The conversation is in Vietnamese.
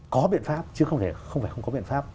có biện pháp chứ không phải không có biện pháp